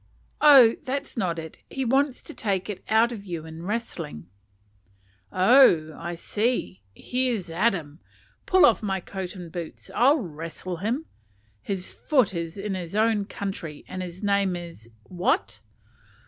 "Oh, that's not it, he wants to take it out of you wrestling." "Oh, I see; here's at him; pull off my coat and boots: I'll wrestle him. 'His foot is in his own country, and his name is' what?"